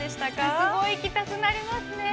◆すごい行きたくなりますね。